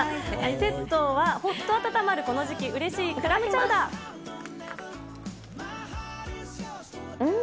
セットは、ほっと温まるこの時期うれしいクラムチャウダー。